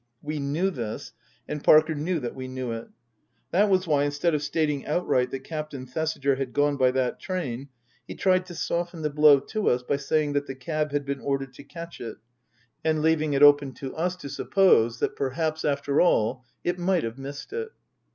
We knew this ; and Parker knew that we knew it. That was why, instead of stating outright that Captain Thesiger had gone by that train, he tried to soften the blow to us by saying that the cab had been ordered to catch it, and 234 Tasker Jevons leaving it open to us to suppose that perhaps, after all, it might have missed it.